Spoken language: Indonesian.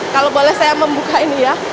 kalau boleh saya membuka ini ya